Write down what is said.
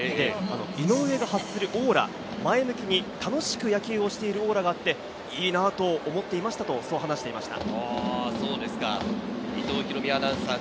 井上が発するオーラ、前向きに楽しく野球をしているオーラがあっていいなと思っていましたと話していました。